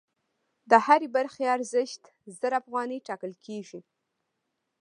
د هرې برخې ارزښت زر افغانۍ ټاکل کېږي